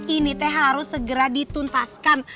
ini th harus segera dituntaskan